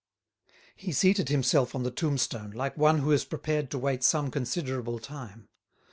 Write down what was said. He seated himself on the tombstone, like one who is prepared to wait some considerable time.